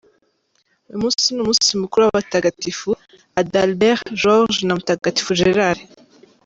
Uyu munsi ni umunsi mukuru w’abatagatifu: Adalbert, George, na mutagatifu Gerard.